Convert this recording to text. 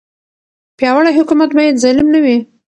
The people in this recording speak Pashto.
پیاوړی حکومت باید ظالم نه وي.